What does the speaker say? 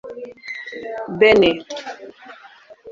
Benin